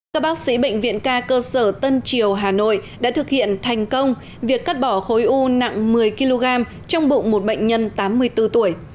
các bác sĩ bệnh viện ca cơ sở tân triều hà nội đã thực hiện thành công việc cắt bỏ khối u nặng một mươi kg trong bụng một bệnh nhân tám mươi bốn tuổi